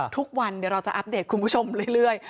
ทุกวันเดี๋ยวเราจะอัปเดตคุณผู้ชมเรื่อย